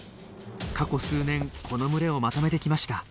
過去数年この群れをまとめてきました。